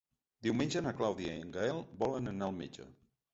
Diumenge na Clàudia i en Gaël volen anar al metge.